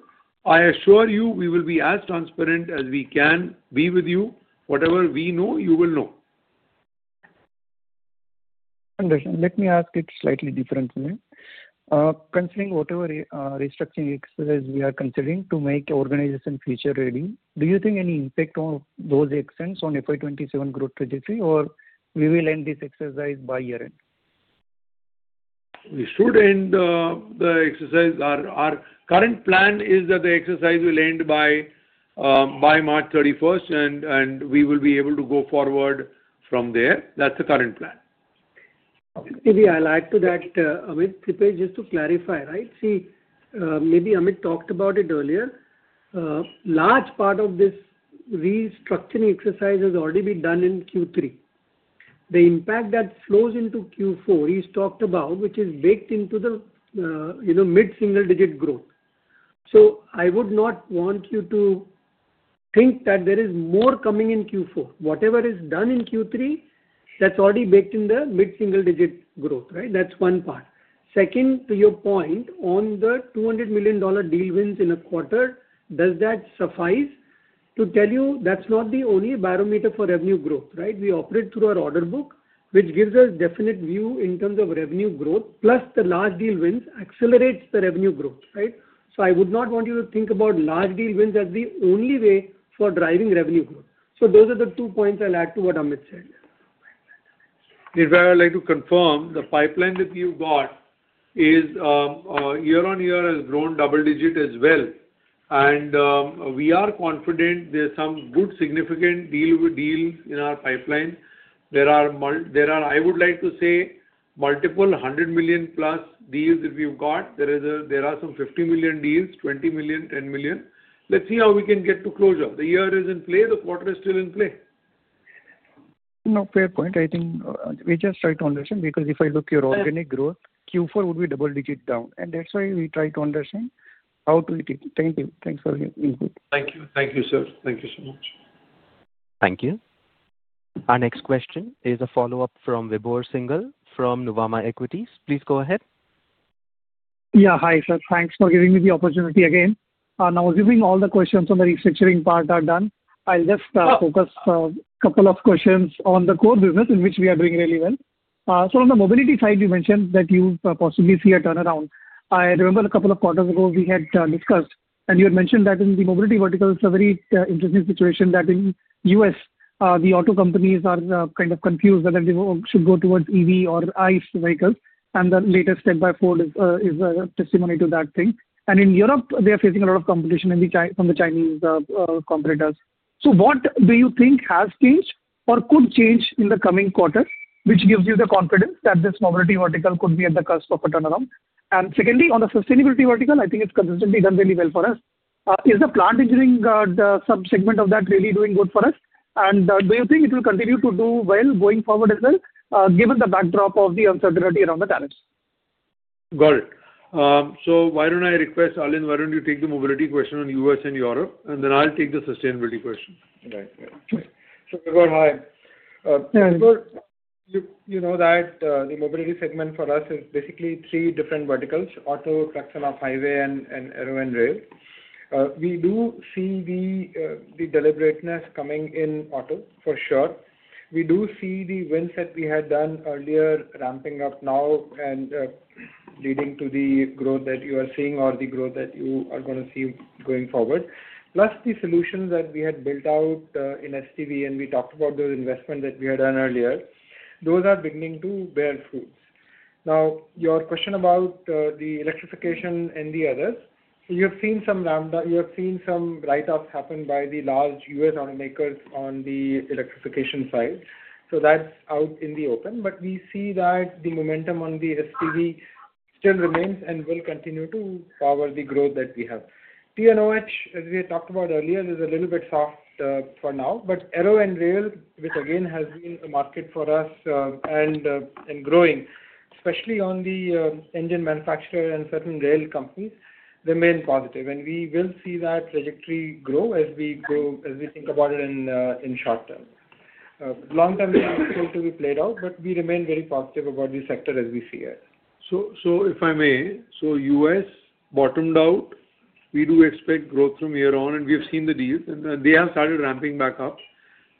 I assure you we will be as transparent as we can be with you. Whatever we know, you will know. Let me ask it slightly differently. Considering whatever restructuring exercise we are considering to make organization future-ready, do you think any impact on those aspects on FY2027 growth trajectory, or will we end this exercise by year-end? We should end the exercise. Our current plan is that the exercise will end by March 31st, and we will be able to go forward from there. That's the current plan. Maybe I'll add to that. Amit, Dipesh, just to clarify, right? See, maybe Amit talked about it earlier. Large part of this restructuring exercise has already been done in Q3. The impact that flows into Q4 is talked about, which is baked into the mid-single-digit growth. So I would not want you to think that there is more coming in Q4. Whatever is done in Q3, that's already baked in the mid-single-digit growth, right? That's one part. Second, to your point on the $200 million deal wins in a quarter, does that suffice to tell you that's not the only barometer for revenue growth, right? We operate through our order book, which gives us definite view in terms of revenue growth, plus the large deal wins accelerates the revenue growth, right? So I would not want you to think about large deal wins as the only way for driving revenue growth. So those are the two points I'll add to what Amit said. Dipesh, I'd like to confirm the pipeline that you got is year-on-year has grown double-digit as well. And we are confident there's some good significant deals in our pipeline. There are, I would like to say, multiple hundred million-plus deals that we've got. There are some 50 million deals, 20 million, 10 million. Let's see how we can get to closure. The year is in play. The quarter is still in play. No, fair point. I think we just try to understand because if I look at your organic growth, Q4 would be double-digit down. And that's why we try to understand how to offset it. Thank you. Thanks for your input. Thank you. Thank you, sir. Thank you so much. Thank you. Our next question is a follow-up from Vibhor Singhal from Nuvama Equities. Please go ahead. Yeah. Hi, sir. Thanks for giving me the opportunity again. Now, assuming all the questions on the restructuring part are done, I'll just focus a couple of questions on the core business in which we are doing really well. So on the mobility side, you mentioned that you possibly see a turnaround. I remember a couple of quarters ago, we had discussed, and you had mentioned that in the mobility vertical, it's a very interesting situation that in the U.S., the auto companies are kind of confused whether they should go towards EV or ICE vehicles. And the latest step by Ford is a testimony to that thing. And in Europe, they are facing a lot of competition from the Chinese competitors. So what do you think has changed or could change in the coming quarter, which gives you the confidence that this mobility vertical could be at the cusp of a turnaround? And secondly, on the sustainability vertical, I think it's consistently done really well for us. Is the plant engineering subsegment of that really doing good for us? Do you think it will continue to do well going forward as well, given the backdrop of the uncertainty around the tariffs? Got it. Why don't I request, Alind, why don't you take the mobility question on U.S. and Europe, and then I'll take the sustainability question? Right. Right. Vibhor, hi. You know that the mobility segment for us is basically three different verticals: auto, trucks and off-highway, and rail. We do see the deliberateness coming in auto, for sure. We do see the wins that we had done earlier ramping up now and leading to the growth that you are seeing or the growth that you are going to see going forward. Plus, the solutions that we had built out in SDV, and we talked about those investments that we had done earlier, those are beginning to bear fruits. Now, your question about the electrification and the others, you have seen some write-offs happen by the large US automakers on the electrification side. So that's out in the open. But we see that the momentum on the SDV still remains and will continue to power the growth that we have. T&OH, as we had talked about earlier, is a little bit soft for now. But rail and rail, which again has been a market for us and growing, especially on the engine manufacturer and certain rail companies, remain positive. And we will see that trajectory grow as we think about it in short term. Long-term, it's going to be played out, but we remain very positive about the sector as we see it. So if I may, so US bottomed out. We do expect growth from here on, and we have seen the deals. They have started ramping back up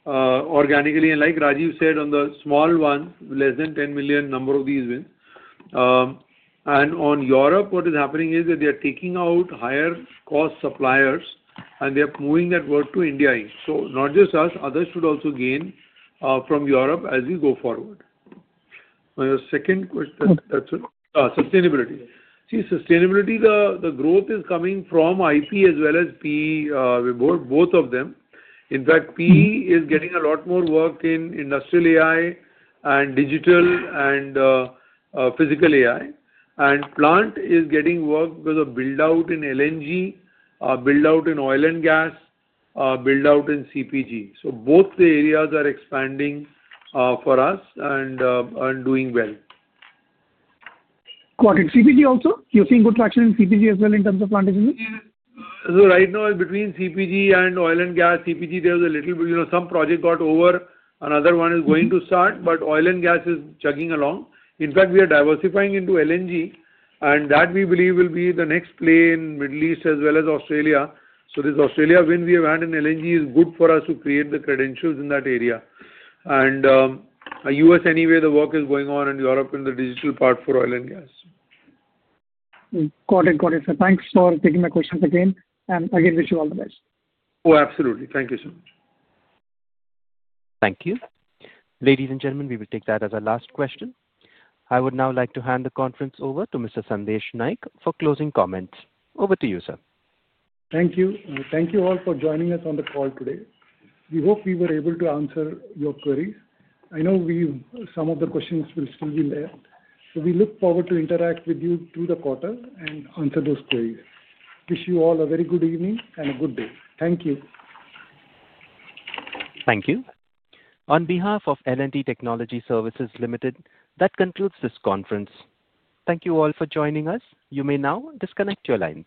organically. Like Rajeev said, on the small one, less than 10 million number of these wins. On Europe, what is happening is that they are taking out higher-cost suppliers, and they are moving that work to India in. So not just us, others should also gain from Europe as we go forward. My second question, Sustainability. See, Sustainability, the growth is coming from IP as well as PE, both of them. In fact, PE is getting a lot more work in industrial AI and digital and physical AI. Plant is getting work with a build-out in LNG, a build-out in oil and gas, a build-out in CPG. So both the areas are expanding for us and doing well. Got it. CPG also? You're seeing good traction in CPG as well in terms of plant engineering? So right now, between CPG and oil and gas, CPG, there was a little bit some project got over. Another one is going to start, but oil and gas is chugging along. In fact, we are diversifying into LNG, and that we believe will be the next play in the Middle East as well as Australia. So this Australia win we have had in LNG is good for us to create the credentials in that area. And U.S. anyway, the work is going on in Europe in the digital part for oil and gas. Got it. Got it, sir. Thanks for taking my questions again. And again, wish you all the best. Oh, absolutely. Thank you so much. Thank you. Ladies and gentlemen, we will take that as our last question. I would now like to hand the conference over to Mr. Sandesh Naik for closing comments. Over to you, sir. Thank you. Thank you all for joining us on the call today. We hope we were able to answer your queries. I know some of the questions will still be there. So we look forward to interact with you through the quarter and answer those queries. Wish you all a very good evening and a good day. Thank you. Thank you. On behalf of L&T Technology Services Limited, that concludes this conference. Thank you all for joining us. You may now disconnect your lines.